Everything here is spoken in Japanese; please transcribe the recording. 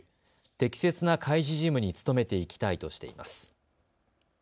適切な開示事務に努めていきたいとしています。